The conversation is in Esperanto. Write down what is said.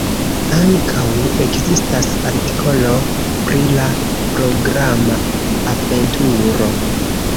Ankaŭ ekzistas artikolo pri la programa Aventuro".